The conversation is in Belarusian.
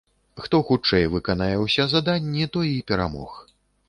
Хто хутчэй выканае ўсе заданні, той і перамог.